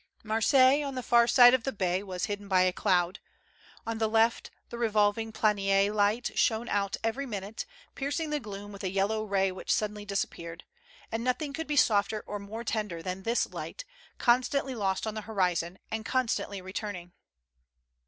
Marseilles, on the far side of the bay, was hidden by a cloud ; on the left the revolving Planier light shone out every minute, piercing the gloom with a yellow ray which suddenly disappeared ; and nothing could be softer or more tender than this light, constantly lost on the horizon, and con stantly returning.